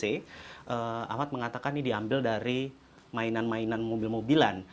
ahmad mengatakan ini diambil dari mainan mainan mobil mobilan